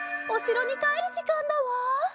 おしろにかえるじかんだわ。